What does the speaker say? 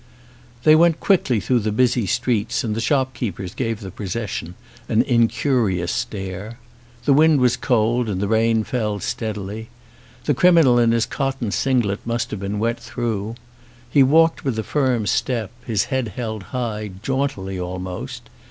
They went quickly through the busy streets and the shopkeepers gave the procession an incurious stare. The wind was cold and the rain fell stead ily. The criminal in his cotton singlet must have been wet through. He walked with a firm step, his head held high, jauntily almost.